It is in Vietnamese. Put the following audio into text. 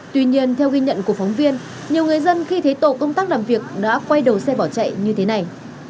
tuy nhiên theo ghi nhận của phóng viên nhiều người dân khi thấy tổ công tác làm việc đã quay đầu xe bỏ chạy như thế này